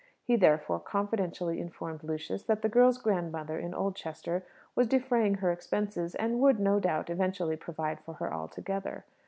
He, therefore, confidentially informed Lucius that the girl's grandmother in Oldchester was defraying her expenses, and would, no doubt, eventually provide for her altogether.